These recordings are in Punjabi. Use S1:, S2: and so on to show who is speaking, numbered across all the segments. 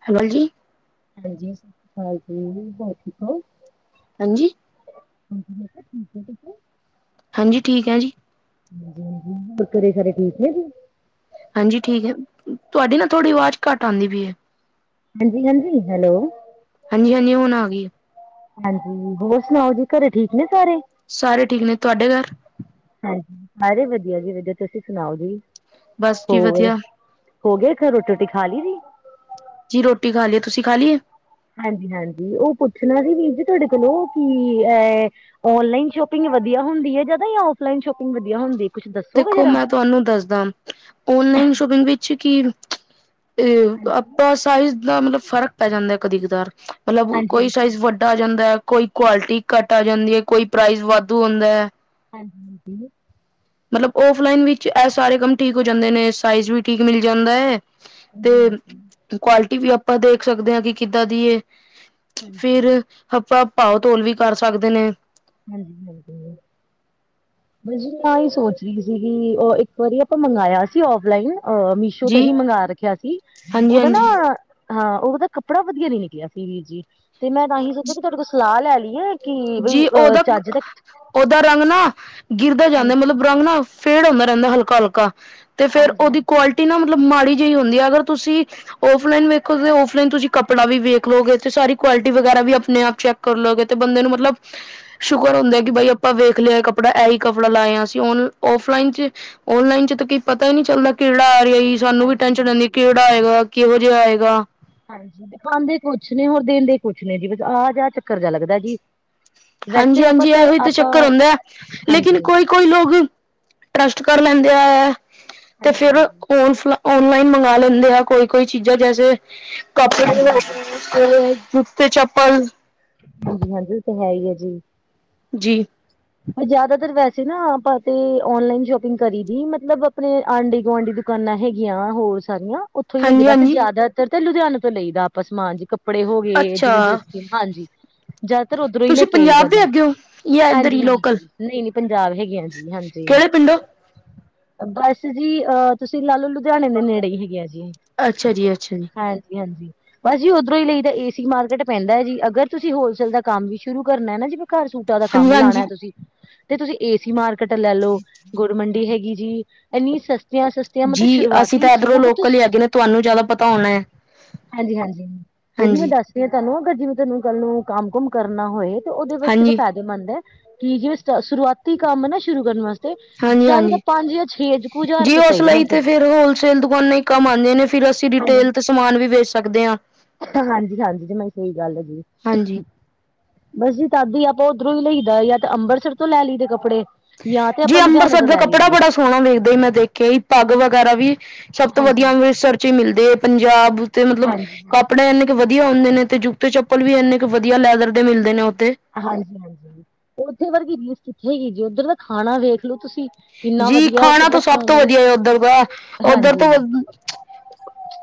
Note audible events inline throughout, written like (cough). S1: (inaudible) (inaudible)
S2: ਹਾਂਜੀ, ਸਤਿ ਸ਼੍ਰੀ ਅਕਾਲ ਜੀ, ਹੋਰ ਠੀਕ ਹੋ
S1: ਹਾਂਜੀ
S2: (unintelligible) (unintelligible)
S1: ਹਾਂਜੀ ਠੀਕ ਹੈ ਜੀ
S2: ਹ ਹੋਰ ਘਰੇ ਸਾਰੇ ਠੀਕ ਨੇ ਜੀ
S1: ਹਾਂਜੀ ਠੀਕ ਹੈ, ਤੁਹਾਡੀ ਨਾ ਥੋੜ੍ਹੀ ਆਵਾਜ਼ ਘੱਟ ਆਉਂਦੀ ਪਈ ਹੈ
S2: ਹਾਂਜੀ-ਹਾਂਜੀ ਹੈਲੋ
S1: ਹਾਂਜੀ-ਹਾਂਜੀ ਹੁਣ ਆ ਗਈ ਏ
S2: ਹਾਂਜੀ ਹੋਰ ਸੁਣਾਓ ਜੀ ਘਰੇ ਠੀਕ ਨੇ ਸਾਰੇ
S1: ਸਾਰੇ ਠੀਕ ਨੇ ਤੁਹਾਡੇ ਘਰ
S2: ਹਾਂਜੀ, ਸਾਰੇ ਵਧੀਆ ਜੀ ਵਧੀਆ ਤੁਸੀਂ ਸੁਣਾਓ ਜੀ
S1: ਬਸ ਜੀ
S2: ਹੋਰ
S1: ਵਧੀਆ
S2: ਹੋ ਗਏਰ ਰੋਟੀ-ਰੋਟੀ ਖਾ ਲਈ ਦੀ
S1: ਜੀ ਰੋਟੀ ਖਾ ਲਈ ਤੁਸੀਂ ਖਾ ਲਈਏ
S2: ਹਾਂਜੀ-ਹਾਂਜੀ ਉਹ ਪੁੱਛਣਾ ਸੀ ਵੀਰ ਜੀ ਤੁਹਾਡੇ ਕੋਲੋਂ ਕਿ ਅਹ ਓਨਲਾਈਨ ਸ਼ੋਪਿੰਗ ਵਧੀਆ ਹੁੰਦੀ ਐ ਜ਼ਿਆਦਾ ਜਾਂ ਔਫਲਾਈਨ ਸ਼ੋਪਿੰਗ ਵਧੀਆ ਹੁੰਦੀ? ਕੁਛ ਦੱਸੋਗੇ
S1: ਦੇਖੋ
S2: ਜਰਾ?
S1: ਮੈਂ ਤੁਹਾਨੂੰ ਦੱਸਦਾ ਓਨਲਾਈਨ ਸ਼ੋਪਿੰਗ ਵਿੱਚ ਕੀ ਤੇ
S2: ਹਾਂਜੀ
S1: ਆਪਾਂ ਸਾਈਜ਼ ਦਾ ਮਤਲਬ ਫ਼ਰਕ ਪੈ ਜਾਂਦਾ ਕਦੀ ਕਦਾਰ, ਮਤਲਬ
S2: ਹਾਂਜੀ
S1: ਕੋਈ
S2: ਹਾਂਜੀ
S1: ਸਾਈਜ਼ ਵੱਡਾ ਘੱਟ ਆ ਜਾਂਦਾ ਐ, ਕੋਈ ਕੁਆਲਿਟੀ ਘੱਟ ਆ ਜਾਂਦੀ ਐ, ਕੋਈ ਪ੍ਰਾਈਜ਼ ਵਾਧੂ ਹੁੰਦਾ ਐ।
S2: ਹਾਂਜੀ ਜੀ।
S1: ਮਤਲਬ ਔਫਲਾਈਨ ਵਿੱਚ ਇਹ ਸਾਰੇ ਕੰਮ ਠੀਕ ਹੋ ਜਾਂਦੇ ਨੇ, ਸਾਈਜ਼ ਵੀ ਠੀਕ ਮਿਲ ਜਾਂਦਾ ਐ।
S2: ਹਾਂਜੀ
S1: ਤੇ ਕੁਆਲਿਟੀ ਵੀ ਆਪਾਂ ਦੇਖ ਸਕਦੇ ਆ, ਕਿ ਕਿੱਦਾਂ ਦੀ ਏ।
S2: ਹਾਂਜੀ
S1: ਫਿਰ ਆਪਾਂ ਭਾਓ ਤੋਲ ਵੀ ਕਰ ਸਕਦੇ ਨੇ।
S2: ਹਾਂਜੀ- ਹਾਂਜੀ।
S1: ਹ (inaudible) (inaudible)
S2: ਬਸ ਜੀ ਮੈਂ ਇਹ ਸੋਚ ਰਹੀ ਸੀਗੀ, ਉਹ ਇੱਕ ਵਾਰੀ ਆਪਾਂ ਮੰਗਵਾਇਆ ਸੀ ਔਫਲਾਈਨ ਆਹ ਮੀਸ਼ ਸ਼ੋ
S1: ਜੀ
S2: ਤੋਂ ਹੀ ਮੰਗਵਾ ਰੱਖਿਆ ਸੀ,
S1: ਹਾਂਜੀ
S2: ਉਹਦਾ ਨਾ
S1: ਹਾਂਜੀ
S2: ਹਾਂ ਉਹਦਾ ਕੱਪੜਾ ਵਧੀਆਂ ਨੀ ਨਿਕਲ਼ਿਆ ਸੀ ਵੀਰ ਜੀ। ਤੇ ਮੈਂ ਤਾਂਹੀ ਸੋਚਿਆ ਕਿ ਤੁਹਾਡੇ ਕੋਲ ਸਲਾਹ ਲੈ ਲਈ ਐ, ਕਿ ਬਈ
S1: ਜੀ
S2: ਅ
S1: ਉਹਦਾ,
S2: ਚੱਜ ਦਾ
S1: ਉਹਦਾ ਰੰਗ ਨਾ ਗਿਰਦਾ ਜਾਂਦਾ, ਮਤਲਬ ਰੰਗ ਨਾ ਫੇਡ ਹੁੰਦਾ ਰਹਿੰਦਾ ਹਲਕਾ- ਹਲਕਾ, ਤੇ ਫ਼ੇਰ ਉਹਦੀ ਕੁਆਲਿਟੀ ਨਾ ਮਤਲਬ ਮਾੜੀ ਜਿਹੀ ਹੁੰਦੀ ਐ, ਅਗਰ ਤੁਸੀਂ ਓਫਲਾਈਨ ਵੇਖੋ ਓਫਲਾਈਨ ਤੁਸੀਂ ਕੱਪੜਾ ਵੀ ਵੇਖ ਲੋਗੇ, ਤੇ ਸਾਰੀ ਕੁਆਲਿਟੀ ਵਗੈਰਾ ਵੀ ਆਪਣੇ ਆਪ ਚੈੱਕ ਕਰ ਲਓਗੇ, ਤੇ ਬੰਦੇ ਨੂੰ ਮਤਲਬ ਸ਼ੁਕਰ ਹੁੰਦਾ ਕਿ ਬਾਈ ਆਪਾਂ ਵੇਖ ਲਿਆ ਕੱਪੜਾ ਇਹੀ ਕੱਪੜਾ ਲਾਇਆ ਆ ਅਸੀ, ਹੁਣ ਔਫਲਾਈਨ ਚ' ਔਨਲਾਈਨ ਚ ਤਾਂ ਕਈ ਪਤਾ ਹੀ ਨਹੀਂ ਚੱਲਦਾ ਕਿਹੜਾ ਆ ਰਿਹਾ ਸਾਨੂੰ ਵੀ ਟੈਨਸ਼ਨ ਰਹਿੰਦੀ, ਕਿਹੜਾ ਆਏਗਾ ਕਿਹੋ ਜਿਹਾ ਆਏਗਾ।
S2: ਹਾਂਜੀ, ਦਿਖਾਉਂਦੇ ਕੁਛ ਨੇ, ਹੋਰ ਦਿੰਦੇ ਕੁਛ ਨੇ ਜੀ ਆਹ ਜਾਹ ਚੱਕਰ ਜਾਹਾ ਲੱਗਦਾ ਜੀ।
S1: ਹਾਂਜੀ
S2: ਵੈਸੇ ਆਪਾਂ
S1: ਹਾਂਜੀ, ਇਹੋ ਹੀ ਤਾਂ
S2: ਆਪਾਂ
S1: ਚੱਕਰ ਹੁੰਦਾ ਐ, ਲੇਕਿਨ
S2: ਹਾਂਜੀ
S1: ਕੋਈ ਕੋਈ ਲੋਕ ਟਰਸਟ ਕਰ ਲੈਂਦੇ ਆ ਹੈ, ਤੇ ਫੇਰ ਕੋ ਓਨਲਾਈਨ ਮੰਗਵਾ ਲੈਂਦੇ ਆ ਕੋਈ- ਕੋਈ ਚੀਜ਼ਾਂ, ਜੈਸੇ ਕੱਪੜੇ ਹੋ ਗਏ ਤੇ ਚੱਪਲ
S2: ਹਾਂਜੀ- ਹਾਂਜੀ ਉਹ ਤੇ ਹੈ ਜੀ
S1: ਜੀ।
S2: ਜ਼ਿਆਦਾਤਰ ਵੈਸੇ ਨਾ ਆਪਾਂ ਤੇ ਔਨਲਾਈਨ ਸ਼ੋਪਿੰਗ ਕਰੀ ਦੀ, ਮਤਲਬ ਆਪਣੇ ਆਂਢੇ ਗੁਆਂਢੀ ਦੀ ਦੁਕਾਨਾਂ ਹੈਗੀਆਂ ਹੋਰ ਸਾਰੀਆਂ ਉੱਥੋਂ ਹੀ ਲਈਦੇ,
S1: ਹਾਂਜੀ
S2: ਵੈਸੇ
S1: ਹਾਂਜੀ
S2: ਜ਼ਿਆਦਾਤਰ ਤਾਂ ਲੁਧਿਆਣਾ ਤੋਂ ਲਈ ਦਾ ਆਪਾਂ ਸਮਾਨ ਜੇ ਕੱਪੜੇ ਕੱਪੜੇ ਹੋ ਗਏ,
S1: ਅੱਛਾ
S2: ਜਿਵੇਂ ਜੋਤੀ ਹਾਂਜੀ। ਜ਼ਿਆਦਾਤਰ ਉਧਰੋਂ ਹੀ ਲੈ
S1: ਤੁਸੀਂ
S2: ਕੇ ਆਈਦਾ
S1: ਪੰਜਾਬ ਦੇ
S2: ਜੀ,
S1: ਹੈਗੇ ਹੋ ਜਾਂ ਇੱਧਰ
S2: ਹਾਂਜੀ
S1: ਹੀ
S2: ਹਾਂਜੀ।
S1: ਲੋਕਲ
S2: ਨਹੀਂ ਨਹੀਂ ਪੰਜਾਬ ਹੈਗੇ ਆ ਜੀ, ਹਾਂਜੀ
S1: ਕਿਹੜੇ ਪਿੰਡੋਂ
S2: ਬਸ ਜੀ ਅਹ ਤੁਸੀਂ ਲਾ ਲੋ ਲੁਧਿਆਣੇ ਦੇ ਨੇੜੇ ਹੀ ਹੈਗੇ ਆ ਜੀ,
S1: ਅੱਛਾ ਜੀ ਅੱਛਾ ਜੀ
S2: ਹਾਂਜੀ ਹਾਂਜੀ। ਬਸ ਜੀ ਉਧਰੋਂ ਹੀ ਲਈ ਤਾਂ ਏਸੀ ਮਾਰਕੀਟ ਪੈਂਦਾ ਜੀ, ਅਗਰ ਤੁਸੀਂ ਹੋਲਸੇਲ ਦਾ ਕੰਮ ਵੀ ਸ਼ੁਰੂ ਕਰਨਾ ਨਾ, ਜਿਵੇਂ ਘਰ ਸੂ ਸੂਟਾਂ ਦਾ
S1: ਹਾਂਜੀ
S2: ਕੰਮ
S1: ਹਾਂਜੀ
S2: ਲਾਉਣਾ ਤੁਸੀਂ ਤੇ ਤੁਸੀਂ ਏ ਸੀ ਮਾਰਕੀਟ ਲੈ ਲਓ, ਗੁਰ ਮੰਡੀ ਹੈਗੀ ਜੀ ਇੰਨੀ ਸਸਤੀਆਂ ਸਤੀ
S1: ਜੀ ਅਸੀਂ ਤਾਂ ਇਧਰੋਂ ਲੋਕਲ ਹੀ ਹੈਗੇ ਆ ਨੇ, ਤੁਹਾਨੂੰ ਜ਼ਿਆਦਾ ਪਤਾ ਹੋਣਾ।
S2: ਹਾਂਜੀ ਹਾਂਜੀ, ਉਹ ਵੀ ਮੈਂ
S1: ਹਾਂਜੀ
S2: ਦੱਸ ਤੇ ਤੁਹਾਨੂੰ ਅਗਰ ਜਿੰਦਰ ਨੂੰ ਕੱਲ ਨੂੰ ਕੰਮ ਕੁਮ ਕਰਨਾ ਹੋਏ, ਤੇ ਉਹਦੇ ਵਾਸਤੇ ਵੀ
S1: ਹਾਂਜੀ
S2: ਫਾਇਦੇਮੰਦ ਹੈ। ਕਿ ਕਿਆ ਸ਼ੁਰੂਆਤੀ ਕੰਮ ਨਾ ਸ਼ੁਰੂ ਕਰਨ ਵਾਸਤੇ
S1: ਹਾਂਜੀ
S2: ਜ਼ਿਆਦਾ ਤਾਂ
S1: ਹਾਂਜੀ
S2: ਪੰਜ ਜਾਂ ਛੇ ਕੁ ਹਜ਼ਾਰ
S1: ਜੀ,
S2: ਰੁਪਏ
S1: ਉਸ
S2: ਚਾਹੀਦੇ ਨੇ
S1: ਲਈ ਤੇ ਫਿਰ ਹੋਲਸੇਲ ਦੁਕਾਨਾਂ ਕਮ ਆਉਂਦੇ ਨੇ, ਫਿਰ ਅਸੀਂ ਡਿਟੇਲ ਤੇ ਸਮਾਨ ਵੀ ਵੇਚ ਸਕਦੇ ਆ।
S2: ਹਾਂਜੀ ਹਾਂਜੀ, ਜਮਾ ਹੀ ਸਹੀ ਗੱਲ ਆ ਜੀ।
S1: ਹਾਂਜੀ
S2: ਬਸ ਜੀ ਤਦ ਹੀ ਆਪਾਂ ਉੱਧਰੋਂ ਹੀ ਲਈਦਾ ਜਾਂ ਤਾਂ ਅੰਮ੍ਰਿਤਸਰ ਤੋਂ ਲੈ ਲਈ ਦੇ ਕੱਪੜੇ ਜਾਂ ਤੇ
S1: ਜੀ
S2: ਆਪਾਂ ਲੁਧਿਆਣੇ
S1: ਅੰਮ੍ਰਿਤਸਰ
S2: ਤੋਂ
S1: ਦਾ
S2: ਲੈ
S1: ਕੱਪੜਾ
S2: ਲਈਦੇਏ।
S1: ਬੜਾ ਸੋਹਣਾ ਵੇਖਦਾ ਹੀ ਮੈਂ ਦੇਖਿਆ ਹੀ ਪੱਗ ਵਗੈਰਾ ਵੀ ਸਭ ਤੋਂ ਵਧੀਆ ਅੰਮ੍ਰਿਤਸਰ ਚ ਹੀ ਮਿਲਦੇ ਐ, ਪੰਜਾਬ ਉਤੇ ਮਤਲਬ ਕੱਪੜੇ ਇਨੇ ਵਧੀਆ ਹੁੰਦੇ ਨੇ, ਤੇ ਜੁੱਤੇ ਚੱਪਲ ਵੀ ਇੰਨੇ ਕੇ ਵਧੀਆ ਲੈਦਰ ਦੇ ਮਿਲਦੇ ਨੇ ਉੱਥੇ।
S2: ਹਾਂਜੀ ਹਾਂਜੀ, ਉੱਥੇ ਵਰਗੀ ਰੀਸ ਕਿੱਥੇ ਹੈਗੀ ਜੀ, ਉੱਧਰ ਖਾਣਾ ਵੇਖ ਲੋ ਤੁਸੀਂ ਕਿੰਨਾ
S1: ਜੀ,
S2: ਵਧੀਆ ਉੱਧਰ
S1: ਖਾਣਾ
S2: ਦਾ
S1: ਤਾਂ ਸਭ ਤੋਂ
S2: ਵੀ
S1: ਵਧੀਆ ਐ ਉੱਧਰ ਦਾ ਓਧਰ
S2: ਹਾਂਜੀ
S1: ਤੋਂ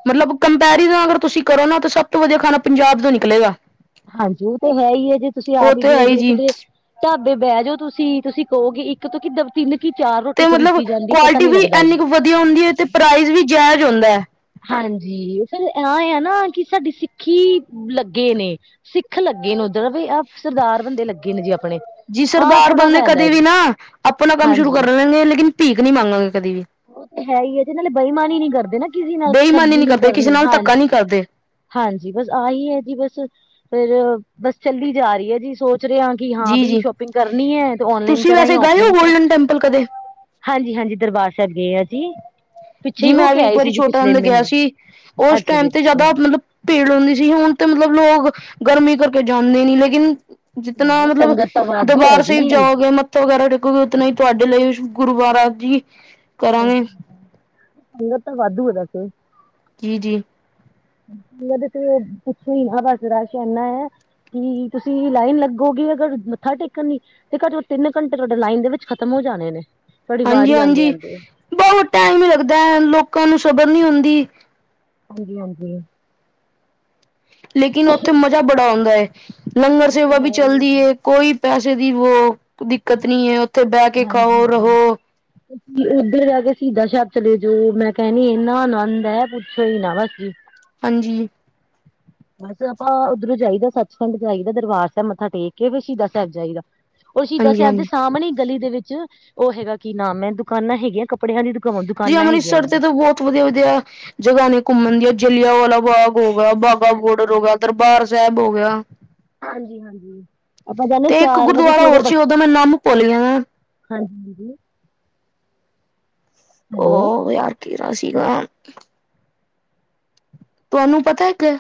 S1: ਮਤਲਬ ਕੰਪੈਰੀਜ਼ਨ ਅਗਰ ਤੁਸੀਂ ਕਰੋ ਨਾ! ਤਾਂ ਸਭ ਤੋਂ ਵਧੀਆ! ਖਾਣਾ ਪੰਜਾਬ ਤੋਂ ਨਿਕਲੇਗਾ!
S2: ਹਾਂਜੀ ਉਹ ਤਾਂ ਹੈ, ਹੀ ਹੈ, ਜੇ ਤੁਸੀਂ
S1: ਉਹ
S2: ਆਪ ਹੀ
S1: ਤੇ ਹੈ
S2: ਦੇਖ ਲਓ
S1: ਜੀ
S2: ਕਿਤੇ! ਢਾਬੇ ਬਹਿ ਜਾਓ ਤੁਸੀਂ ਕਹੋਗੇ ਇੱਕ ਤੋਂ ਕਿੱਦਾਂ ਤਿੰਨ ਕੀ ਚਾਰ
S1: ਤੇ
S2: ਰੋਟੀ
S1: ਮਤਲਬ
S2: ਖਵੀਤੀ ਜਾਂਦੀ ਪਤਾ
S1: ਕੁਆਲਿਟੀ
S2: ਨੀ
S1: ਵੀ
S2: ਲੱਗਦਾ
S1: ਇੰਨੀ
S2: ਜੀ
S1: ਕੁ ਵਧੀਆ ਹੁੰਦੀ! ਹੈ ਤੇ ਪ੍ਰਾਈਜ਼ ਵੀ ਜਇਜ਼ ਹੁੰਦਾ ਹੈ!
S2: ਹਾਂਜੀ ਫਿਰ ਇਹ ਆ, ਨਾ ਕਿ ਸਾਡੀੇ ਸਿੱਖੀ ਲੱਗੇ ਨੇ, ਸਿੱਖ ਲੱਗੇ ਨੇ ਉੱਧਰ ਵੀ ਆਹ ਸਰਦਾਰ ਬੰਦੇ ਲੱਗੇ ਨੇ ਜੀ ਆਪਣੇ!
S1: ਜੀ
S2: ਆਹ
S1: ਸਰਦਾਰ
S2: ਥੋੜਾ
S1: ਬੰਦੇ ਕਦੇ
S2: ਫਾਇਦਾ
S1: ਵੀ
S2: ਜੀ
S1: ਨਾ, ਆਪਣਾ ਕੰਮ ਸ਼ੁਰੂ ਕਰ
S2: ਹਾਂਜੀ
S1: ਲਿਆਂਗੇ ਲੇਕਿਨ ਭੀਖ ਨਹੀ! ਮੰਗਾਂਗੇ ਕਦੇ ਵੀ
S2: ਉਹ ਤੇ ਹੈ, ਹੀ ਹੈ, ਤੇ ਨਾਲੇ ਬੇਈਮਾਨ ਨੀ ਕਰਦੇ ਨਾ ਕਿਸੇ ਨਾਲ
S1: ਬੇਈਮਾਨੀ
S2: ਠੱਗੀ
S1: ਨਹੀਂ
S2: ਨੀ!
S1: ਕਰਦੇ ਕਿਸੇ
S2: ਕਰਨੀ
S1: ਨਾਲ ਧੱਕਾ ਨਹੀਂ
S2: ਹਾਂਜੀ!
S1: ਕਰਦੇ
S2: ਹਾਂਜੀ ਬਸ ਆਹੀ ਹੈ ਜੀ ਬਸ ਫਿਰ ਬਸ ਚੱਲਦੀ ਜਾ ਰਹੀ ਹੈ ਜੀ ਸੋਚ ਰਹੇ ਹਾ! ਕਿ ਹਾਂ
S1: ਜੀ
S2: ਬੀ
S1: ਜੀ
S2: ਸ਼ੋਪਿੰਗ ਕਰਨੀ ਹੈ ਤੇ ਔਨਲਾਈਨ
S1: ਤੁਸੀਂ
S2: ਕਰਾਂ
S1: ਵੈਸੇ
S2: ਜਾਂ
S1: ਗਏ ਹੋ
S2: ਔਫਲਾਈਨ ਕਰਾਂ!
S1: ਗੋਲਡਨ ਟੈਂਪਲ ਕਦੇ
S2: ਹਾਂਜੀ, ਹਾਂਜੀ ਦਰਬਾਰ ਝੱਗੇ ਗਏ ਆ ਜੀ ਪਿੱਛੇ
S1: ਜੀ
S2: ਹੀ ਹੋ
S1: ਮੈਂ
S2: ਕੇ
S1: ਵੀ ਇੱਕ
S2: ਆਏ
S1: ਵਾਰੀ
S2: ਸੀ ਜੀ
S1: ਛੋਟਾ
S2: ਪਿਛਲੇ
S1: ਹੁੰਦਾ ਗਿਆ
S2: ਮਹੀਨੇ।
S1: ਸੀ ਉਸ
S2: ਅੱਛਾ ਜੀ
S1: ਟਾਈਮ ਤੇ
S2: ਅੱਛਾ,
S1: ਜਿਆਦਾ ਮਤਲਬ ਭੀੜ ਹੁੰਂਦੀ ਸੀ ਹੁਣ ਤਾਂ ਮਤਲਬ ਲੋਕ ਗਰਮੀ ਕਰਕੇ ਜਾਂਦੇ! ਨੀ ਲੇਕਿਨ ਜਿਤਨਾ
S2: ਨਹੀਂ-ਨਹੀਂ
S1: ਮਤਲਬ
S2: ਸੰਗਤ ਤਾਂ ਵਾਧੂ ਹੈ
S1: ਦਰਬਾਰ ਸਾਹਿਬ
S2: ਜੀ,
S1: ਜਾਓਗੇ ਮੱਥਾ ਵਗੈਰਾ ਦੇਖੋਗੇ ਉਤਨਾ ਹੀ ਤੁਹਾਡੇ ਲਈ ਗੁਰਦੁਆਰਾ ਜੀ ਕਰਾਂਗੇ
S2: ਸੰਗਤ ਵਾਧੂ ਉਦਾ ਤੇ
S1: ਕੀ ਜੀ
S2: ਮਦਦ ਕੁਛ ਵੀ ਆ ਗਾਜਰ ਸ਼ਾਨਾ ਹੈ! ਕੀ ਤੁਸੀਂ ਲਾਈਨ ਲੱਗੋਗੇ ਅਗਰ ਮੱਥਾ ਟੇਕਣ ਲਈ! ਦੇਖੋ ਜਾਏ ਤਿੰਨ ਘੰਟੇ ਤੁਹਾਡੇ ਲਾਈਨ ਦੇ ਵਿੱਚ ਖਤਮ ਹੋ ਜਾਣੇ ਨੇ! ਤੁਹਾਡੀ
S1: ਹਾਂਜੀ,
S2: ਵਾਰੀ ਆਉਂਦੇ
S1: ਹਾਂਜੀ
S2: ਆਉਂਦੇ
S1: ਬਹੁਤ ਟਾਈਮ ਹੀ ਲੱਗਦਾ ਲੋਕਾਂ ਨੂੰ ਸਬਰ ਨੀ ਹੁੰਦੀ!
S2: ਹਾਂਜੀ, ਹਾਂਜੀ
S1: ਲੇਕਿਨ ਉੱਥੇ ਮਜ਼ਾ ਬੜਾ ਆਉਂਦਾ ਹੈ! ਲੰਗਰ ਸੇਵਾ ਵੀ ਚੱਲਦੀ ਹੈ ਕੋਈ ਪੈਸੇ ਦੀ ਵੋ ਦਿੱਕਤ ਨੀ ਹੈ ਬਹਿ ਕੇ
S2: ਹਾਂਜੀ,
S1: ਖਾਓ,
S2: ਹਾਂਜੀ
S1: ਰਹੋ,
S2: ਸੀ ਉੱਧਰ ਜਾ ਕੇ ਸ਼ਹੀਦ ਸ਼ਹਿਬ ਚਲੇ ਜਾਓ ਮੈਂ ਕਹਿਣ ਦੀ ਇੰਨਾ ਆਨੰਦ ਹੈ! ਪੁੱਛੋ ਹੀ ਨਾ ਬਸ ਜੀ!
S1: ਹਾਂਜੀ
S2: ਬਸ ਆਪਾਂ ਉੱਧਰੋਂ ਜਾਈਦਾ ਸੱਚਖੰਡ ਜਾਈਦਾ ਦਰਬਾਰ ਸਾਹਿਬ ਮੱਥਾ ਟੇਕ ਕੇ ਸ਼ਹੀਦ ਸਾਹਿਬ ਜਾਈਦਾ। ਉਹ ਸ਼ਹੀਦ ਸਹਿਬ
S1: ਹਾਂਜੀ-ਹਾਂਜੀ,
S2: ਸਾਹਮਣੇ ਗਲੀ ਦੇ ਵਿੱਚ ਉਹ ਹੈਗਾ, ਕੀ ਨਾਮ ਹੈ, ਦੁਕਾਨਾਂ ਹੈਗੀਆਂ ਕੱਪੜਿਆਂ ਦੀ ਦੁਕਾ
S1: ਜੀ
S2: ਦੁਕਾਨਾਂ ਹੈਗੀਆਂ
S1: ਅੰਮ੍ਰਿਤਸਰ ਤੇ
S2: ਜੀ
S1: ਬਹੁਤ ਬਹੁਤ ਵਧੀਆ ਜਗ੍ਹਾ ਨੇ ਘੁੰਮਣ ਦੀਆਂ ਜਲਿਆਂ ਵਾਲਾ ਬਾਗ ਹੋਗਿਆ ਬਾਗਾ ਬੋਰਡਰ ਹੋ ਗਿਆ ਦਰਬਾਰ ਸਾਹਿਬ ਹੋ ਗਿਆ।
S2: ਆਪਾਂ ਜਾਂਦੇ
S1: ਤੇ ਇੱਕ
S2: ਚਾਰ ਵਜੇ
S1: ਗੁਰਦੁਆਰਾ
S2: ਸਵੇਰੇ
S1: ਹੋਰ ਸੀ
S2: ਬੱਸ
S1: ਉਦੋਂ ਮੈਂ ਨਾਮ ਭੁੱਲ ਜਾਣਾ।
S2: ਹਾਂਜੀ। ਹੈਲੋ
S1: ਉਹ ਯਾਰ ਕਿਹੜਾ ਸੀਗਾ? ਤੁਹਾਨੂੰ ਪਤਾ ਹੈ ਕਿ?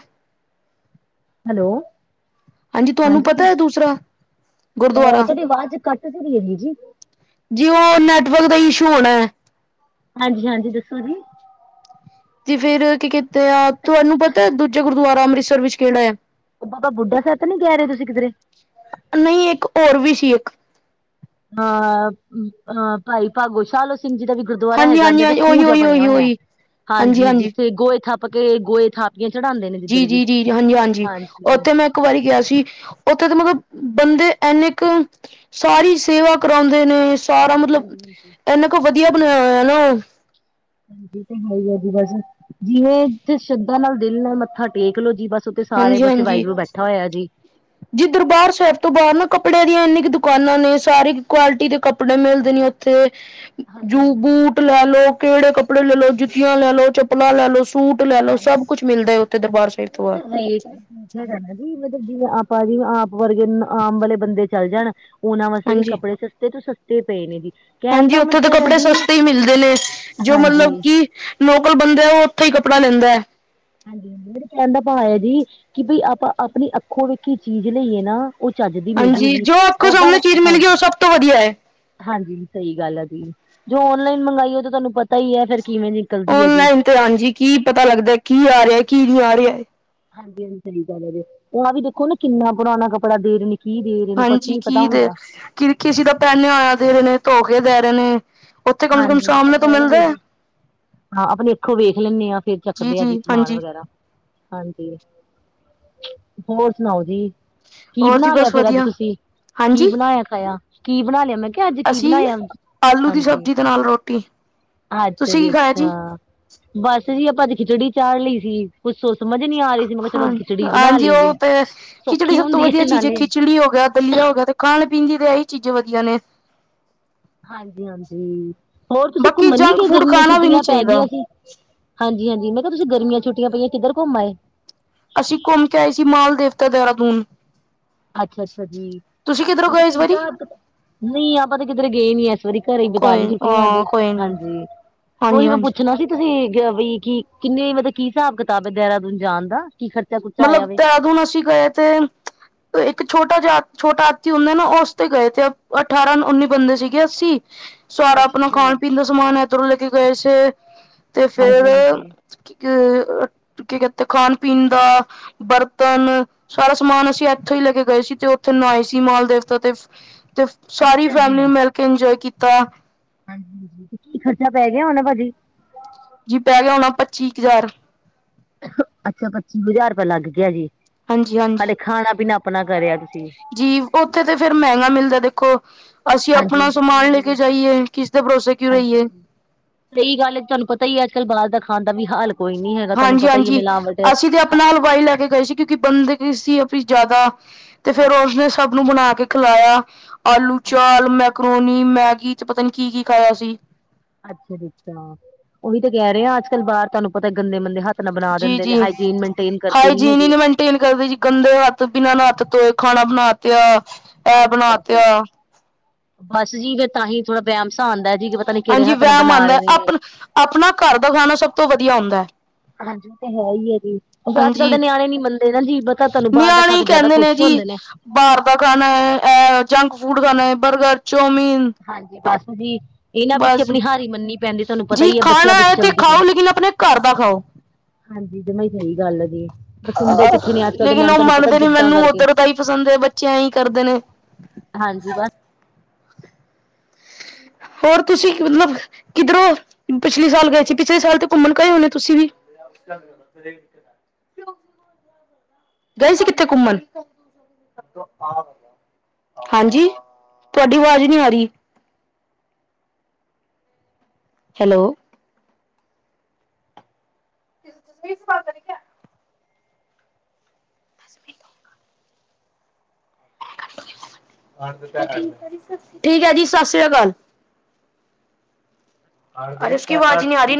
S2: ਹੈਲੋ,
S1: ਤੁਹਾਨੂੰ
S2: ਹਾਂਜੀ
S1: ਪਤਾ
S2: ਵੀਰ
S1: ਹੈ
S2: ਜੀ,
S1: ਦੂਸਰਾ ਗੁਰਦੁਆਰਾ?
S2: ਤੁਹਾਡੀ ਆਵਾਜ਼ ਘੱਟ ਘਟ ਰਹੀਆ ਵੀਰ ਜੀ।
S1: ਜੀ, ਉਹ ਨੈਟਵਰਕ ਦਾ ਇਸ਼ੂ ਹੋਣਾ ਹੈ।
S2: ਹਾਂਜੀ, ਹਾਂਜੀ, ਦੱਸੋ ਜੀ।
S1: ਤੇ ਫੇਰ ਕੀ ਕੀਤੇ ਆ, ਤੁਹਾਨੂੰ ਪਤਾ ਦੂਜਾ ਗੁਰਦੁਆਰਾ ਅੰਮ੍ਰਿਤਸਰ ਵਿੱਚ ਕਿਹੜਾ ਹੈ?
S2: ਉਹ ਬਾਬਾ ਬੁੱਢਾ ਸਾਹਿਬ ਨਹੀਂ ਰਹੇ ਹੋ ਤੁਸੀ ਕਿਧਰੇ?
S1: ਨਹੀਂ, ਇੱਕ ਹੋਰ ਵੀ ਸੀ ਇੱਕ।
S2: ਆ, ਹਾਂ, ਭਾਈ ਭਾਗੋ ਸ਼ਾਲੋ ਸਿੰਘ ਜੀ ਦਾ ਵੀ ਗੁਰਦੁਆਰਾ
S1: ਹਾਂਜੀ
S2: ਹੈਗਾ
S1: ਹਾਂਜੀ
S2: ਇਹਦੇ ਚੋ
S1: ਹਾਂਜੀ ਉਹੀ
S2: ਖੂਹ ਜਿਆ
S1: ਉਹੀ
S2: ਬਣਿਆ
S1: ਉਹੀ
S2: ਹੋਇਆ
S1: ਉਹੀ
S2: ਹਾਂਜੀ ਜਿੱਥੇ ਗੋਏ ਥੱਪ ਕੇ ਗੋਏ ਥਾਪ ਕੀ ਚੜਾਂਦੇ
S1: ਜੀ, ਜੀ, ਜੀ ਹਾਂਜੀ, ਹਾਂਜੀ ਉੱਥੇ ਮੈਂ ਇੱਕ ਵਾਰੀ ਗਿਆ ਸੀ, ਉੱਥੇ ਤਾਂ ਮਤਲਬ ਬੰਦੇ ਇੰਨੇ ਕ ਸਾਰੀ ਸੇਵਾ ਕਰਾਉਂਦੇ ਨੇ ਸਾਰਾ ਮਤਲਬ, ਇਨਾ ਕੁ ਵਧੀਆ ਬਣਿਆ ਹੋਇਆ।
S2: (unintelligible) ਜੀ ਬਸ ਜਿਵੇਂ ਸ਼ਰਧਾ ਨਾਲ ਦਿਲ ਨਾਲ ਮੱਥਾ ਟੇਕ ਲੋ, ਜੀ ਬਸ ਉੱਥੇ ਸਾਰੇ ਪਾਸੇ ਵਾਗੁਰੂ ਬੈਠਾ ਹੋਇਆ ਜੀ।
S1: ਜਿੱਧਰ ਬਾਹਰ ਸਹਿਰ ਤੋਂ ਬਾਹਰ ਨਾ, ਕੱਪੜਿਆਂ ਦੀਆਂ ਇੰਨੀ ਕੁ ਦੁਕਾਨਾਂ ਨੇ ਸਾਰੀ ਕੁਆਲਿਟੀ ਦੇ ਕੱਪੜੇ ਮਿਲਦੇ ਨੇ। ਉੱਥੇ ਜੂ ਬੂਟ ਲੈ ਲੋ ਕਿਹੜੇ ਕੱਪੜੇ ਲੈ ਲਓ, ਜੁੱਤੀਆਂ ਲੈ ਲਓ ਚੱਪਲਾਂ ਲੈ ਲੋ ਸੂਟ ਲੈ ਲਓ, ਸਭ ਕੁਛ ਮਿਲਦਾ ਹੈ, ਉੱਥੇ ਦਰਬਾਰ ਸਾਹਿਬ ਤੋਂ ਆ।
S2: (unintelligible) ਮਤਲਬ ਜਿਵੇਂ ਆਪਾਂ ਜੀ ਆਪ ਵਰਗੇ ਆਮ ਵਾਲੇ ਬੰਦੇ ਚੱਲ ਜਾਣ ਉਹਨਾਂ ਵਾਸਤੇ ਵੀ
S1: ਹਾਂਜੀ
S2: ਕੱਪੜੇ ਸਸਤੇ ਤੋਂ ਸਸਤੇ ਪਏ ਨੇ ਜੀ। ਕਹਿਣ
S1: ਹਾਂਜੀ,
S2: ਦਾ
S1: ਉੱਥੇ ਤਾਂ
S2: ਮਤਲਬ ਹੈ
S1: ਕੱਪੜੇ
S2: ਜੀ
S1: ਸਸਤੇ ਹੀ ਮਿਲਦੇ ਨੇ ਜੋ
S2: ਹਾਂਜੀ
S1: ਮਤਲਬ ਕਿ ਲੋਕਲ ਬੰਦੇ ਉਹ ਉੱਥੇ ਹੀ ਕੱਪੜਾ ਲੈਂਦਾ ਹੈ।
S2: ਹਾਂਜੀ-ਹਾਂਜੀ ਮਤਲਬ ਕੀ ਕੈਣ ਦਾ ਭਾਅ ਹੈ ਜੀ, ਕਿ ਬਈ ਆਪਾਂ ਆਪਣੀ ਅੱਖੋ ਵੇਖੀ ਚੀਜ਼ ਲਈਏ ਨਾ ਉਹ ਚੱਜ ਦੀ
S1: ਹਾਂਜੀ,
S2: ਮਿਲਜੂਗੀ
S1: ਜੋ ਆਪ ਕੋ
S2: ਉਹ
S1: ਸਾਹਮਣੇ
S2: ਪਰ
S1: ਚੀਜ਼ ਮਿਲ
S2: ਹਾਂਜੀ
S1: ਗਿਆ ਸਭ ਤੋਂ ਵਧੀਆ ਏ।
S2: ਹਾਂਜੀ ਸਹੀ ਗੱਲ ਐ ਜੀ, ਜੋ ਔਨਲਾਈਨ ਮੰਗਾਈਏ ਤੇ ਤੁਹਾਨੂੰ ਪਤਾ ਹੀ ਹੈ ਫੇਰ ਕਿਵੇਂ ਨਿਕਲਦੀ ਹੈ ਜੀ।
S1: ਔਨਲਾਈਨ ਤੇ, ਹਾਂਜੀ ਜੀ ਕੀ ਪਤਾ ਲੱਗਦਾ ਕੀ ਆ ਰਿਹਾ- ਕੀ ਨਹੀਂ ਆ ਰਿਹਾ ਹੈ।
S2: ਹਾਂਜੀ- ਹਾਂਜੀ ਸਹੀ ਗੱਲ ਹੈ, ਹੁਨਾਂ ਵੀ ਦੇਖੋ ਨਾ ਕਿੰਨਾ ਪੁਰਾਣਾ ਕੱਪੜਾ ਦੇਰੇ ਨੇ। ਕੀ ਦੇ ਰਹੇ ਨੇ, ਕੁੱਛ
S1: ਹਾਂਜੀ
S2: ਨੀ ਪਤਾ
S1: ਕੀ ਦੇ
S2: ਹੁੰਦਾ।
S1: ਕਿ ਕਿਸੀ ਦਾ ਪਹਿਨੇ ਆ ਰਹੇ ਨੇ ਧੋ ਕੇ ਦੇ ਰਹੇ ਨੇ। ਤੇ ਕਮ ਸੇ ਕਮ ਸਾਹਮਣੇ ਤੋਂ ਮਿਲ ਦਾ ਐ।
S2: ਹਾਂ, ਆਪਣੇ ਅੱਖੋਂ ਵੇਖ ਲੈਂਦੇ ਹਾਂ ਫੇਰ ਚੱਕਦੇ ਆ ਜੀ ਸਮਾਨ ਵਗੈਰਾ। ਹਾਂਜੀ, ਹੋਰ ਸੁਣਾਓ ਜੀ? ਕੀ
S1: ਹੋਰ ਜੀ
S2: ਬਣਾ ਲਿਆ
S1: ਬਸ
S2: ਫੇਰ ਅੱਜ
S1: ਵਧੀਆ
S2: ਤੁਸੀਂ? ਕੀ
S1: ਹਾਂਜੀ
S2: ਬਣਾਇਆ ਖਾਇਆ? ਕੀ ਬਣਾ ਲਿਆ ਮੈਂ ਕਿਹਾ ਅੱਜ ਕੀ
S1: ਅਸੀਂ
S2: ਬਣਾਇਆ?
S1: ਆਲੂ ਦੀ
S2: ਹਾਂਜੀ
S1: ਸਬਜ਼ੀ ਦੇ ਨਾਲ ਰੋਟੀ।
S2: ਅੱਛਾ
S1: ਤੁਸੀਂ
S2: ਜੀ
S1: ਕੀ ਖਾਇਆ
S2: ਅੱਛਾ ਬਸ ਜੀ ਆਪਾਂ ਅੱਜ ਖਿਚੜੀ ਚਾੜ ਲਈ ਸੀ। ਕੁਛ ਸੋਚ ਸਮਝ ਨੀ ਆ ਰਹੀ ਸੀ ਮੈਂ ਕਿਹਾ ਚਲੋ
S1: ਹਾਂ
S2: ਅੱਜ ਖਿਚੜੀ ਬਣਾ
S1: ਹਾਂਜੀ,
S2: ਲਈਏ
S1: ਉਹ ਤੇ ਖਿਚੜੀ
S2: ਸੌਖੀ
S1: ਸਭ ਤੋਂ
S2: ਹੁੰਦੀ
S1: ਵਧੀਆ ਚੀਜ਼ ਹੈ,
S2: ਨਾਲੇ
S1: ਖਿਚੜੀ ਹੋ ਗਿਆ ਵੱਲੀਆ ਹੋ ਗਿਆ, ਤੇ ਖਾਣ ਪੀਣ ਦੀ ਫੇ ਇਹੀ ਚੀਜ਼ਾਂ ਵਧੀਆ ਨੇ।
S2: ਹਾਂਜੀ -ਹਾਂਜੀ ਹੋਰ ਤੁਸੀਂ
S1: ਬਾਕੀ
S2: ਘੁੰਮਣ ਨਹੀਂ
S1: ਜੰਕ
S2: ਗਏ?
S1: ਫੂਡ
S2: ਗਰਮੀਆਂ
S1: ਖਾਣਾ ਵੀ ਨਹੀਂ
S2: ਛੁੱਟੀਆਂ ਪੈ
S1: ਚਾਹੀਦਾ
S2: ਗਈਆਂ ਸੀ। ਹਾਂਜੀ -ਹਾਂਜੀ ਮੈਂ ਕਿਹਾ ਤੁਸੀਂ ਗਰਮੀਆ ਛੁੱਟੀਆਂ ਪਈਆਂ ਕਿਧਰ ਘੁੰਮ ਆਏ?
S1: ਅਸੀਂ ਘੁੰਮ ਕੇ ਆਏ ਸੀ ਮਾਲ ਦੇਵਤਾ ਦੇਹਰਾਦੂਨ।
S2: ਅੱਛਾ -ਅੱਛਾ ਜੀ
S1: ਤੁਸੀਂ ਕਿੱਧਰੋਂ
S2: ਉਹ ਤੇ
S1: ਗਏ ਇਸ
S2: ਕੀ
S1: ਵਾਰੀ
S2: ਹਿਸਾਬ ਨਹੀਂ ਆਪਾਂ ਤੇ ਕਿਧਰ ਗਏ ਨੀ ਅ ਪੂਰੀ ਘਰੇ
S1: ਕੋਈ
S2: ਬਿਤਾਲੀ ਛੁੱਟੀਆਂ
S1: ਹਾਂ
S2: ਅੱਸੀ
S1: ਕੋਈ ਨੀ
S2: ਹਾਂਜੀ,
S1: ਹਾਂਜੀ
S2: ਉਹੀ ਮੈਂ
S1: ਹਾਂਜੀ
S2: ਪੁੱਛਣਾ ਸੀ। ਤੁਸੀਂ ਵੀ ਕੀ ਕਿੰਨੇ ਮਤਲਬ ਕੀ ਹਿਸਾਬ ਕਿਤਾਬ ਹੈ ਦੇਹਰਾਦੂਨ ਜਾਣ ਦਾ? ਕੀ ਖਰਚਾ ਖੁਰਚਾ
S1: ਮਤਲਬ
S2: ਆਇਆ ਵੇ
S1: ਤਿਆਗੁਨ ਅਸੀਂ ਗਏ ਤੇ ਇੱਕ ਛੋਟਾ ਜਾ ਛੋਟਾ ਆਤੀ ਹੁੰਦੇ ਨਾ ਉਸ ਤੇ ਗਏ ਥੇ ਅਠਾਰਾਂ- ਉੱਨੀ ਬੰਦੇ ਸੀਗੇ ਅੱਸੀ। ਸਾਰਾ ਆਪਣਾ ਖਾਣ ਪੀਣ ਦਾ ਸਮਾਨ ਇਧਰੋਂ ਲੈ ਕੇ ਗਏ ਸੇ ਤੇ ਫੇਰ ਅ ਕੀ ਕੈਤੇ ਖਾਣ- ਪੀਣ ਦਾ ਬਰਤਨ ਸਾਰਾ ਸਮਾਨ ਅਸੀਂ ਇੱਥੋਂ ਹੀ ਲੈ ਕੇ ਗਏ ਸੀ, ਤੇ ਉੱਥੇ ਨਹਾਏ ਸੀ ਮਾਲ ਦੇਵਤਾ ਤੇ। ਤੇ ਸਾਰੀ ਫੈਮਲੀ ਮਿਲ ਕੇ ਇੰਜੋਏ ਕੀਤਾ।
S2: ਹਾਂਜੀ -ਹਾਂਜੀ ਕੀ ਖਰਚਾ ਪੈ ਗਿਆ ਹੋਣਾ ਭਾਜੀ?
S1: ਜੀ ਪੈ ਗਿਆ ਹੋਣਾ ਪੱਚੀ ਕੁ ਹਜ਼ਾਰ।
S2: ਅੱਛਾ, ਪੱਚੀ ਹਜ਼ਾਰ ਰੁਪਇਆ ਲੱਗ ਗਿਆ ਜੀ,
S1: ਹਾਂਜੀ ਹਾਂਜੀ
S2: ਹਾਲੇ ਖਾਣਾ- ਪੀਣਾ ਆਪਣਾ ਕਰਿਆ ਤੁਸੀਂ।
S1: ਜੀ ਉੱਥੇ ਤੇ ਫੇਰ ਮਹਿੰਗਾ ਮਿਲਦਾ ਦੇਖੋ। ਅਸੀਂ
S2: ਹਾਂਜੀ
S1: ਆਪਣਾ
S2: ਹਾਂਜੀ ਹੈ
S1: ਸਮਾਨ
S2: ਹੀ ਹੈ
S1: ਲੈਕੇ
S2: ਜੀ
S1: ਜਾਈਏ, ਕਿਸ ਦੇ ਭਰੋਸੇ ਕਿਉਂ ਰਹੀਏ।
S2: ਸਹੀ ਗੱਲ ਤੁਹਾਨੂੰ ਪਤਾ ਹੀ ਹੈ ਅੱਜ ਕੱਲ ਬਾਹਰ ਦਾ ਖਾਣ ਦਾ ਵੀ ਹਾਲ ਕੋਈ ਨੀ ਹੈਗਾ, ਤੁਹਾਨੂੰ ਪਤਾ ਹੀ ਹੈ ਮਿਲਾਵਟ
S1: ਆਪ ਨਾਲ ਹਲਵਾਈ ਲੈ ਕੇ ਗਏ ਸੀ, ਕਿਉਂਕਿ ਬੰਦੇ ਕੀ ਸੀ ਆਪਣੀ ਜਿਆਦਾ ਤੇ ਫੇਰ ਉਸਨੇ ਸਭ ਨੂੰ ਬਣਾ ਕੇ ਖਿਲਾਇਆ, ਆਲੂ ਚਾਲ, ਮੈਕਰੋਨੀ, ਮੈਗੀ ਤੇ ਪਤਾ ਨੀ ਕੀ- ਕੀ ਖਾਇਆ ਸੀ।
S2: ਅੱਛਾ ਦਿੱਤਾ, ਉਹੀ ਤਾਂ ਕੇਹ ਰਏ ਆ, ਆਜ ਕੱਲ੍ਹ ਬਾਹਰ ਤੋਂਨੂੰ ਪਤਾ ਏ ਗੰਦੇ ਮੰੰਦੇ ਹੱਥ ਆਪਣਾ ਬਣਾ
S1: ਜੀ
S2: ਦਿੰਦੇ ਨੇ ਹਾਈਜੀਨ ਮੇਨਟੇਨ ਕਰਦੇ ਨੀ ਹੈਗੇ।
S1: ਤਿੰਨ ਗੜਵੀ ਚ ਗੰਦੇ ਹਾਥ ਬਿਨਾਂ ਨਾਤੇ ਤੋਏ ਖਾਣਾ ਬਣਾ ਤਿਆ। ਬਣਾ
S2: ਹਾਂਜੀ-ਹਾਂਜੀ
S1: ਤਿਆ
S2: ਬਾਸ ਜੀ ਫ ਤਾਂਹੀ ਥੋੜਾ ਵੇਹਮ ਸਾ ਆਂਦਾ ਹੈ।
S1: ਹਾਂਜੀ ਵੈਮ ਆਂਦਾ ਏ, ਆਪ ਆਪਣਾ ਕਾਰ ਦਾ ਖਾਣਾ ਸਭ ਤੋਂ ਵਧੀਆ ਹੁੰਦਾ ਹੈ।
S2: ਹਾਂਜੀ ਏਹ ਤੇ ਹੈ ਈ ਐ ਜੀ। ਅ ਅੱਜ ਕੱਲ੍ਹ ਦੇ
S1: ਹਾਂਜੀ
S2: ਨਿਆਣੇ ਨੀ ਮੰਨਦੇ ਨਾ ਜੀ ਪਤਾ ਤੁਹਾਨੂੰ ਬਾਹਰ ਦਾ
S1: ਨਿਆਣੇ
S2: ਖਾ
S1: ਹੀ
S2: ਕੇ ਜ਼ਿਆਦਾ
S1: ਕਹਿੰਦੇ
S2: ਖੁਸ਼
S1: ਜੀ
S2: ਹੁੰਦੇ ਨੇ।
S1: ਬਾਹਰ ਦਾ ਖਾਣਾ ਹੈ ਜੰਕ ਫੂਡ ਖਾਣਾ ਹੈ ਬਰਗਰ ਚੋਮੀਨ
S2: ਹਾਂਜੀ ਬਸ ਜੀ। ਇਹਨਾਂ ਪਿੱਛੇ ਆਪਣੀ ਹਾਰੀ ਮੰਣਨੀ ਪੈਂਦੀ ਤੁਹਾਨੂੰ ਪਤਾ
S1: ਜੀ
S2: ਹੀ ਹੈ ਬੱਚਿਆਂ
S1: ਖਾਣਾ
S2: ਪਿੱਛੇ
S1: ਤੇ
S2: ਚੱਲਦੀ
S1: ਖਾਓ
S2: ਪੈਣੀ।
S1: ਲੇਕਿਨ ਆਪਣੇ ਘਰ ਦਾ ਖਾਓ
S2: ਹਾਂਜੀ, ਜਵਾਂ ਈ ਸਹੀ ਗੱਲ ਜੀ। ਬਸ ਸੁਣਦੇ ਕਿੱਥੇ ਨੇ ਅੱਜ ਕੱਲ੍ਹ ਦੇ
S1: ਲੇਕਿਨ
S2: ਨਿਆਣੇ
S1: ਉਹ
S2: ਤੁਹਾਨੂੰ ਪਤਾ
S1: ਮੰਨਦੇ ਨੀ
S2: ਜਿੱਦਾਂ
S1: ਮੈਨੂੰ
S2: ਕਰਕੇ
S1: ਉੱਧਰ ਤਾਂ ਹੀ ਪਸੰਦ ਹੈ ਬੱਚਿਆਂ ਹੀ ਕਰਦੇ ਨੇ।
S2: ਹਾਂਜੀ, ਬਸ
S1: ਹੋਰ ਤੁਸੀਂ ਮਤਲਬ ਕਿੱਧਰੋਂ ਪਿਛਲੇ ਸਾਲ ਗਏ ਸੀ ਪਿਛਲੇ ਸਾਲ ਤੇ ਘੁੰਮਣ ਗਏ ਹੋਣੇ ਤੁਸੀਂ ਵੀ? (unintelligible) ਗਏ ਸੀ, ਕਿੱਥੇ ਘੁੰਮਣ? ਹਾਂਜੀ, ਤੁਹਾਡੀ ਆਵਾਜ਼ ਨਹੀਂ ਆ ਰਹੀ। ਹੈਲੋ। ਫੇਸ ਪਾਉਡ ਠੀਕ ਹੈ ਜੀ, ਸਤਿ ਅਕਾਲ ਅਰੇ ਉਸ ਆਵਾਜ਼ ਨੀ ਆ ਰਹੀ